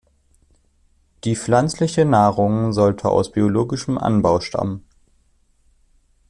Die pflanzliche Nahrung sollte aus biologischem Anbau stammen.